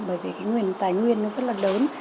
bởi vì cái nguồn tài nguyên nó rất là lớn